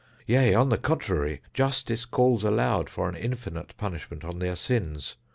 Yea, on the contrary, justice calls aloud for an infinite punishment on their sins.